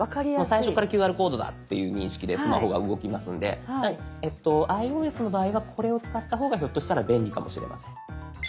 最初からＱＲコードだっていう認識でスマホが動きますのでｉＯＳの場合はこれを使った方がひょっとしたら便利かもしれません。